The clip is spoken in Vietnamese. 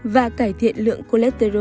và cải thiện lượng cholesterol